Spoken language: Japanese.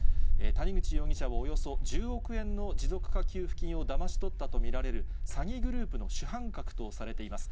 谷口容疑者はおよそ１０億円の持続化給付金をだまし取ったと見られる詐欺グループの主犯格とされています。